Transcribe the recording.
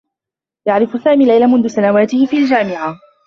يعرف سامي ليلى منذ سنواته في الجامعة.